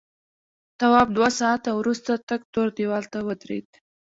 تواب دوه ساعته وروسته تک تور دیوال ته ودرېد.